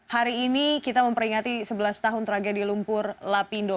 hari ini kita memperingati sebelas tahun tragedi lumpur lapindo